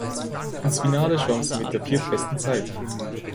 Ins Finale schwamm sie mit der viertbesten Zeit.